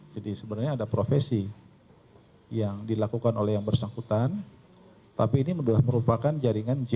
jadi sebenarnya ada profesi yang dilakukan oleh yang bersangkutan tapi ini merupakan jaringan cad